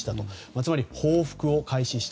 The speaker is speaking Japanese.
つまり報復を開始した。